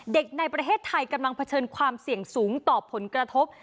ในประเทศไทยกำลังเผชิญความเสี่ยงสูงต่อผลกระทบ